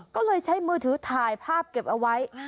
ก็เลยใช้มือถือถ่ายภาพเก็บเอาไว้